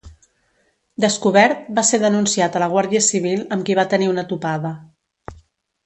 Descobert, va ser denunciat a la Guàrdia Civil amb qui va tenir una topada.